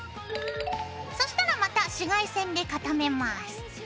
そしたらまた紫外線で固めます。